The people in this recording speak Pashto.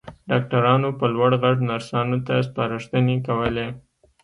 ډاکټرانو په لوړ غږ نرسانو ته سپارښتنې کولې.